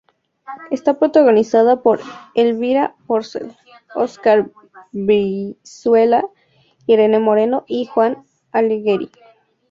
Está protagonizada por Elvira Porcel, Oscar Brizuela, Irene Moreno y Juan Alighieri.